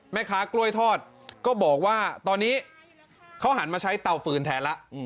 แม่ค้ากล้วยทอดก็บอกว่าตอนนี้เขาหันมาใช้เตาฟืนแทนแล้ว